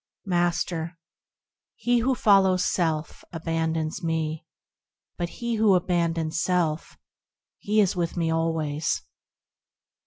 Master. He who follows self, abandons me; But he who abandons self, lo ! he is with me always.